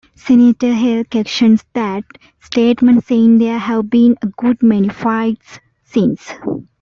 Senator Hale questions that statement, saying there have been a good many fights since.